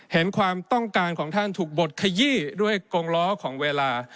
เห็นความต้องการของท่านถูกบดขยี้ด้วยกงล้อของเวลา